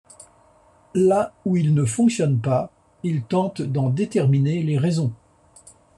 Là où ils ne fonctionnent pas, il tente d'en déterminer les raisons.